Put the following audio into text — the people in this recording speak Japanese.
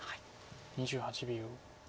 ２８秒。